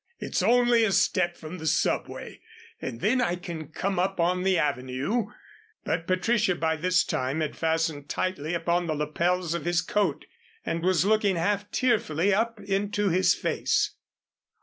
"It's only a step from the subway, and then I can come on up the Avenue " But Patricia by this time had fastened tightly upon the lapels of his coat, and was looking half tearfully up into his face.